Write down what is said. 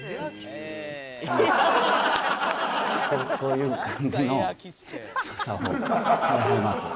こういう感じの所作をされはります。